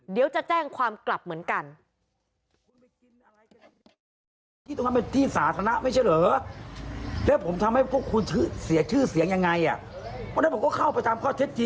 เดี๋ยวจะแจ้งความกลับเหมือนกัน